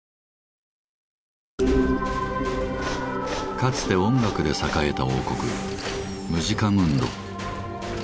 かつて音楽で栄えた王国「ムジカムンド」。